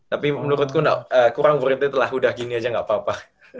tapi menurutku kurang berhenti lah udah gini aja gak apa apa